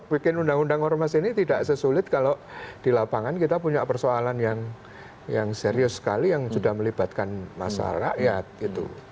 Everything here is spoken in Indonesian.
bikin undang undang ormas ini tidak sesulit kalau di lapangan kita punya persoalan yang serius sekali yang sudah melibatkan masyarakat gitu